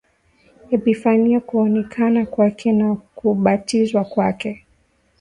Epifania kuonekana kwake na kubatizwa kwake